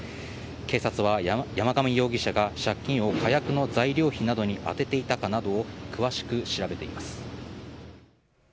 警察は山上容疑者が借金を火薬の材料費などに充てていたかなどを詳しく調べています。